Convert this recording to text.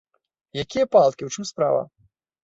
Якія палкі, у чым справа?